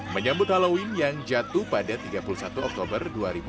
menyambut halloween yang jatuh pada tiga puluh satu oktober dua ribu dua puluh